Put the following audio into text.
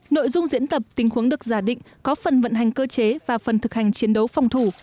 nội dung diễn tập tình huống được giả định có phần vận hành cơ chế và phần thực hành chiến đấu phòng thủ